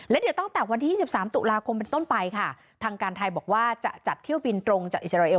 และเดี๋ยวตั้งแต่วันที่๒๓ตุลาคมเป็นต้นไปค่ะทางการไทยบอกว่าจะจัดเที่ยวบินตรงจากอิสราเอล